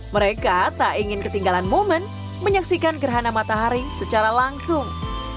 mereka tak ingin ketinggalan momen menyaksikan gerhana matahari secara langsung